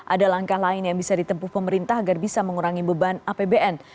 ada langkah lain yang bisa ditempuh pemerintah agar bisa mengurangi beban apbn